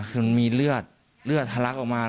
มันมีเลือดเลือดทะลักออกมา